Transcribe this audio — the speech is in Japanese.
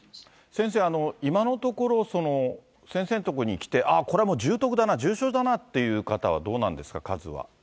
先生、今のところ、先生の所に来て、あっ、これはもう重篤だな、重症だなっていう方はどうなんですか、数は。